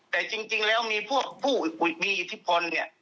แต่จริงแล้วมีพวกผู้มีอิทธิพลเนี่ย